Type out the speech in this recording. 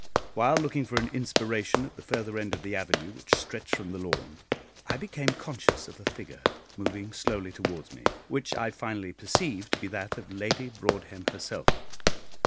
While looking for an inspiration at the further end of the avenue which stretched from the lawn, I became conscious of a figure moving slowly towards me, which I finally perceived to be that of Lady Broadhem herself.